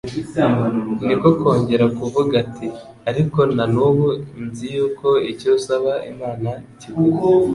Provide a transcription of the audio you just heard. niko kongera kuvuga, ati: "ariko na n'ubu nzi yuko icyo usaba Imana ikiguha."